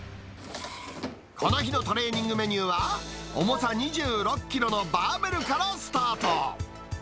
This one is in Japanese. この日のトレーニングメニューは、重さ２６キロのバーベルからスタート。